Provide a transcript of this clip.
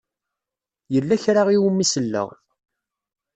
Yella kra i wumi selleɣ.